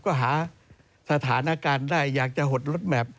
ก็หาสถานการณ์ได้อยากจะหดลดแมพ